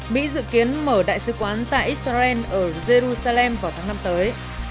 mỹ dự kiến mở đại sứ quán tại israel ở jerusalem vào tháng năm tới